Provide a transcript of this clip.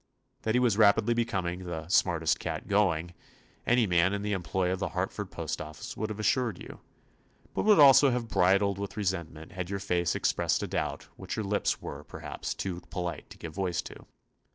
That he was rapidly becoming the "smartest cat going," any man in the employ of the Hartford postoffice would have assured you, and would also have bridled with resentment had your face expressed a doubt which your 53 THE AD\'ENTURES OF lips were, perhaps, too polite to give voice to.